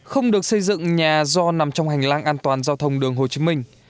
không được xây dựng nhà do nằm trong hành lang an toàn giao thông đường hồ chí minh